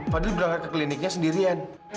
fadli berangkat ke kliniknya sendirian